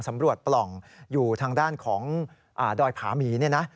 สำรวจปล่องอยู่ทางด้านของด้อยพามีนะ